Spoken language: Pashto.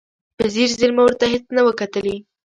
په ځیر ځیر مو ورته هېڅ نه و کتلي.